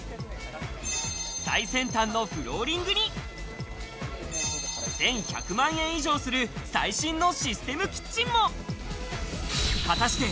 最先端のフローリングに１１００万円以上する最新のシステムキッチンも。